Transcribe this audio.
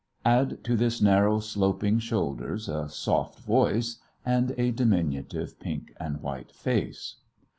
Add to this narrow, sloping shoulders, a soft voice, and a diminutive pink and white face.